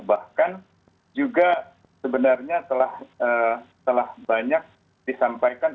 bahkan juga sebenarnya telah banyak disampaikan